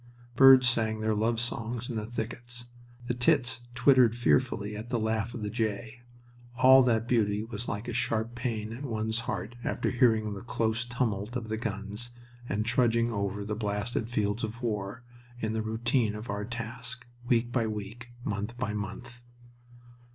Birds sang their love songs in the thickets. The tits twittered fearfully at the laugh of the jay. All that beauty was like a sharp pain at one's heart after hearing the close tumult of the guns and trudging over the blasted fields of war, in the routine of our task, week by week, month by month.